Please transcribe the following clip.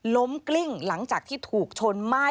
กลิ้งหลังจากที่ถูกชนไหม้